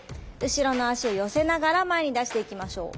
後ろの足を寄せながら前に出していきましょう。